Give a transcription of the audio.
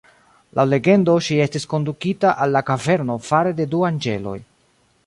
Laŭ legendo ŝi estis kondukita al la kaverno fare de du anĝeloj.